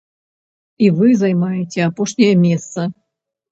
І вы займаеце апошняе месца.